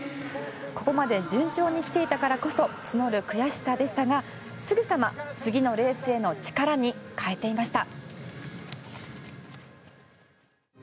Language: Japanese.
ここまで順調にきていたからこそ募る悔しさでしたがすぐさま、次のレースへの力に変えていました。